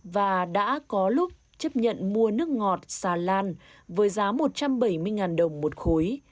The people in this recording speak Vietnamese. và đã có lúc chấp nhận mua nước ngọt xà lan với giá một trăm bảy mươi đồng một khối